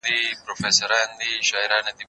زه اوس پوښتنه کوم،